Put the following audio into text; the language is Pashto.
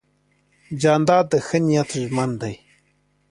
جانداد د ښه نیت ژمن دی.